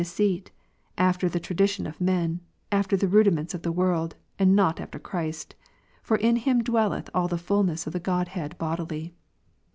2, deceit, after the tradition of men, after the rudiments of the ^'^' tvorld, and not after Christ. For in Him dwelleth all the fulness of the Godhead bodily.